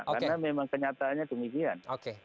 karena memang kenyataannya demikian